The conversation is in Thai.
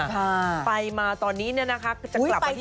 ซีชไปมาตอนนี้นะคะจะกลับไปที่